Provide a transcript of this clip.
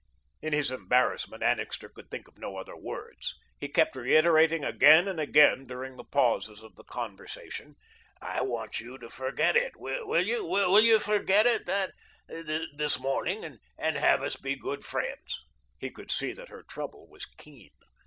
In his embarrassment, Annixter could think of no other words. He kept reiterating again and again during the pauses of the conversation: "I want you to forget it. Will you? Will you forget it that this morning, and have us be good friends?" He could see that her trouble was keen.